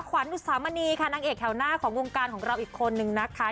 ขวัญอุตสามณีค่ะนางเอกแถวหน้าของวงการของเราอีกคนนึงนะคะ